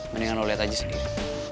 mendingan kamu lihat aja sendiri